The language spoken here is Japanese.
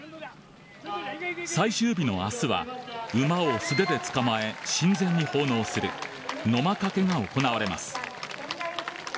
最終日の明日は馬を素手で捕まえ神前に奉納する野馬懸が行われます。